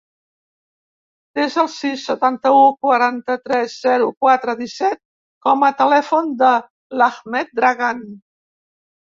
Desa el sis, setanta-u, quaranta-tres, zero, quatre, disset com a telèfon de l'Ahmed Dragan.